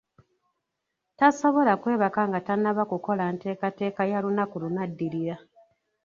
Tasobola kwebaka nga tannaba kukola nteekateeka ya lunaku lunaddirira.